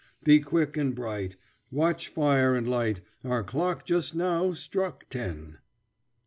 Be quick and bright, Watch fire and light, our clock just now struck ten.